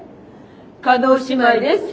叶姉妹です。